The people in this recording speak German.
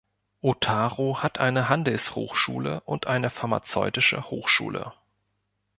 Otaru hat eine Handelshochschule und eine Pharmazeutische Hochschule.